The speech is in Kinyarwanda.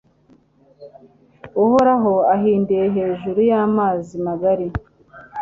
Uhoraho ahindiye hejuru y’amazi magari